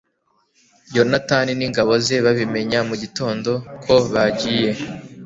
yonatani n'ingabo ze babimenya mu gitondo ko bagiye